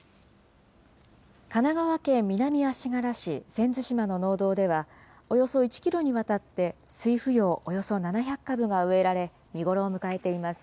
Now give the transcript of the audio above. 神奈川県南足柄市千津島の農道では、およそ１キロにわたって酔芙蓉およそ７００株が植えられ、見頃を迎えています。